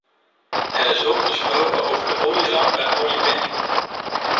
Er is ook gesproken over de olieramp en oliewinning.